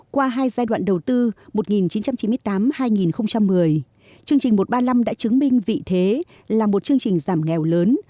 qua hai giai đoạn đầu tư một nghìn chín trăm chín mươi tám hai nghìn một mươi chương trình một trăm ba mươi năm đã chứng minh vị thế là một chương trình giảm nghèo lớn